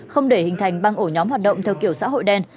không để hình thành băng ổ nhóm hoạt động theo kiểu xã hội đen